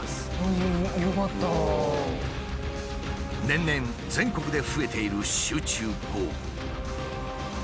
年々全国で増えている集中豪雨。